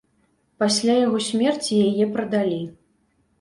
Пасля яго смерці яе прадалі.